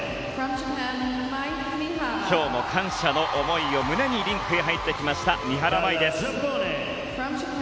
今日も感謝の思いを胸にリンクに入ってきました三原舞依です。